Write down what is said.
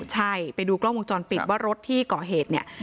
ใช่ไปดูกล้องวงจรปิดว่ารถที่ก่อเหตุเนี่ย